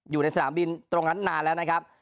อยู่ในสนามบินตรงนั้นนานแล้วนะครับ